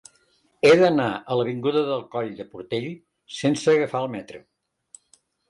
He d'anar a l'avinguda del Coll del Portell sense agafar el metro.